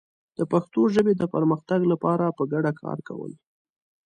د پښتو ژبې د پرمختګ لپاره په ګډه کار کول